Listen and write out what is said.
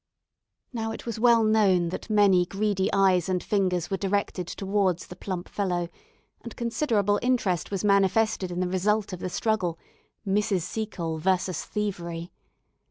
Now it was well known that many greedy eyes and fingers were directed towards the plump fellow, and considerable interest was manifested in the result of the struggle, "Mrs. Seacole versus Thievery."